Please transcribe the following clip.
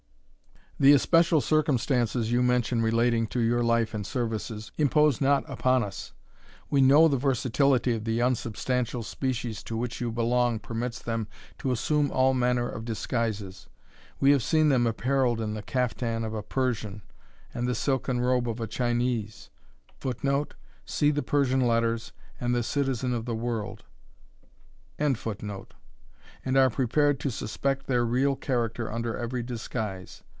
The especial circumstances you mention relating to your life and services, impose not upon us. We know the versatility of the unsubstantial species to which you belong permits them to assume all manner of disguises; we have seen them apparelled in the caftan of a Persian, and the silken robe of a Chinese, [Footnote: See the Persian Letters, and the Citizen of the World.] and are prepared to suspect their real character under every disguise.